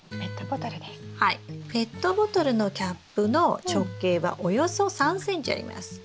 ペットボトルのキャップの直径はおよそ３ｃｍあります。